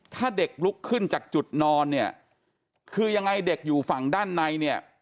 ถ้าเด็กลุกขึ้นจากจุดนอนเนี่ยคือยังไงเด็กอยู่ฝั่งด้านในเนี่ย